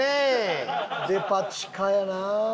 デパ地下やな！